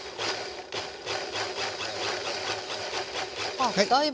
あっだいぶ。